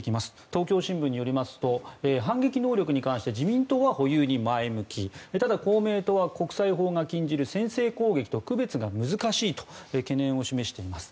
東京新聞によりますと反撃能力に関して自民党は保有に前向きただ、公明党は国際法が禁じる先制攻撃と区別が難しいと懸念を示しています。